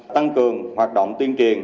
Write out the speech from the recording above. tăng cường hoạt động tuyên truyền